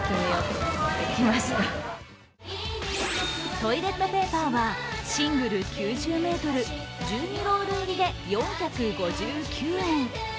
トイレットペーパーはシングル９０ｍ、１２ロール入りで４５９円。